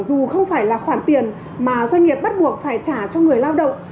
dù không phải là khoản tiền mà doanh nghiệp bắt buộc phải trả cho người lao động